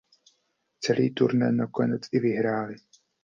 Celý turnaj nakonec i vyhráli.